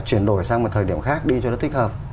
chuyển đổi sang một thời điểm khác đi cho nó thích hợp